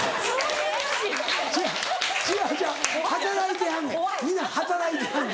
違う違う違う働いてはんねん皆働いてはんねん。